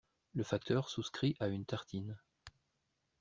Le facteur souscrit à une tartine.